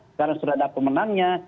sekarang sudah ada pemenangnya